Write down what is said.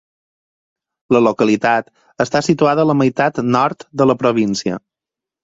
La localitat està situada a la meitat Nord de la província.